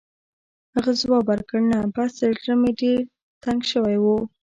هغه ځواب ورکړ: «نه، بس زړه مې ډېر تنګ شوی و.